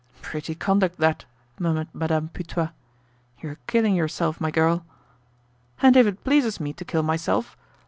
"Pretty conduct that," murmured Madame Putois. "You're killing yourself, my girl." "And if it pleases me to kill myself!